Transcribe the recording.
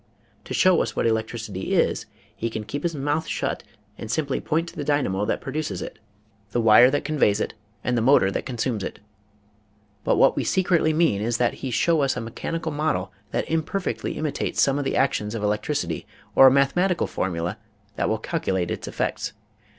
To show us what electricity is he can keep his mouth shut and simply point to the dynamo that produces it, the wire that conveys it and the motor that consumes it. But what we secretly mean is that he show us a mechanical model that im perfectly imitates some of the actions of electricity or a mathematical formula that will calculate its effects.